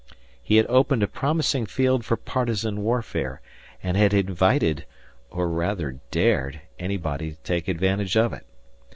He had opened a promising field for partisan warfare and had invited, or rather dared, anybody to take advantage of it.